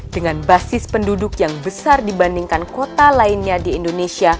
dengan basis penduduk yang besar dibandingkan kota lainnya di indonesia